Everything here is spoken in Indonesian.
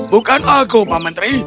bukan aku pak menteri